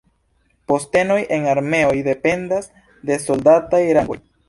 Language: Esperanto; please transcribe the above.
Postenoj en armeoj dependas de soldataj rangoj.